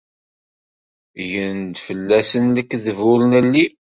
Gren-d fell-asen lekdeb ur nelli.